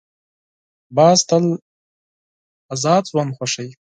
باز تل آزاد ژوند خوښوي